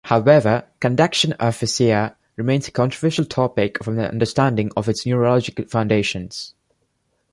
However, conduction aphasia remains a controversial topic from the understanding of its neurologic foundations.